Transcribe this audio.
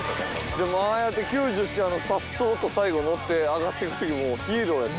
でもああやって救助してさっそうと最後乗って上がっていくときもうヒーローやった。